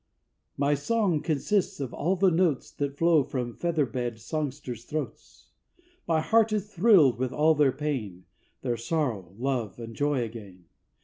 My song consists of all the notes That flow from feathered songsters' throats; My heart is thrilled with all their pain, Their sorrow, love, and joy again.